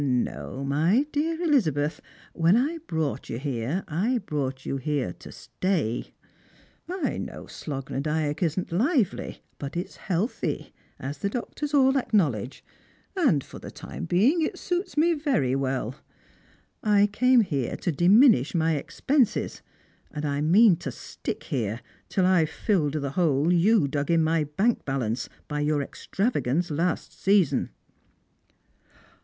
No, my dear Elizabeth, when I brought you here, I brought you here to stay. I know Slogh na Dyack isn't lively, but it's healthy, as the doctors all acknowledge, and for the time being it suits me very well indeed. I came here to diminish my expenses, and I mean to stick here till I've filled the hole you dug in my bank balance by your extravagance last season."